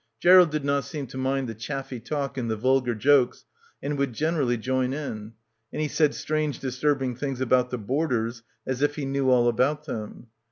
Gerald did not seem to mind the chaffy talk and the vulgar jokes, and would gener ally join in; and he said strange disturbing things about the boarders, as if he knew all about them.